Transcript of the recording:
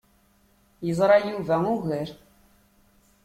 Yeẓra Yuba ugar.